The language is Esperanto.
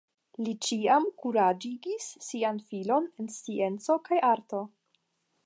Li ĉiam kuraĝigis sian filon en scienco kaj arto.